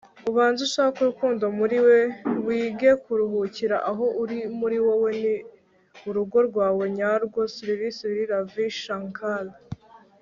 ubanze ushake urukundo muriwe wige kuruhukira aho uri muri wowe ni urugo rwawe nyarwo - sri sri ravi shankar